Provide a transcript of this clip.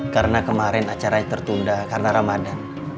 karena kemarin acaranya tertunda karena ramadan